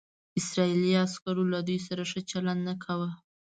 اسرائیلي عسکرو له دوی سره ښه چلند نه کاوه.